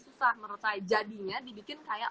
susah menurut saya jadinya dibikin kayak